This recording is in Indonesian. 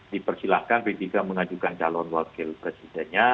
dipersilahkan p tiga mengajukan calon wakil presidennya